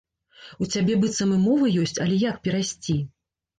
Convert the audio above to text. У цябе быццам і мова ёсць, але як перайсці?